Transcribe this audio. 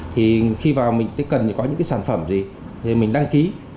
thì khi vào mình cần có những cái sản phẩm gì thì mình đăng ký